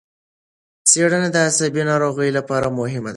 څېړنه د عصبي ناروغیو لپاره مهمه ده.